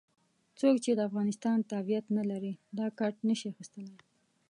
څوک چې د افغانستان تابعیت نه لري دا کارت نه شي اخستلای.